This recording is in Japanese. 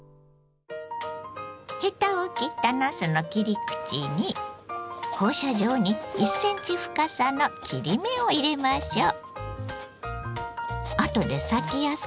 ヘタを切ったなすの切り口に放射状に１センチ深さの切り目を入れましょう。